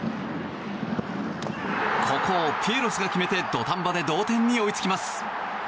ここをピエロスが決めて土壇場で同点に追いつきます。